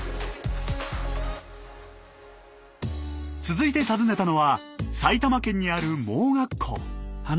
続いて訪ねたのは埼玉県にある盲学校。